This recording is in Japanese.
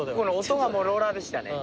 音がローラーでしたね。